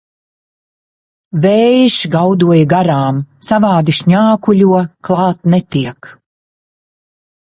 Vējš gaudoja garām, savādi šņākuļo, klāt netiek.